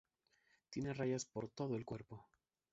Tiene rayas por todo el cuerpo.